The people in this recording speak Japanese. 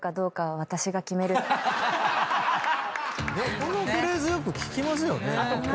このフレーズよく聞きますよね。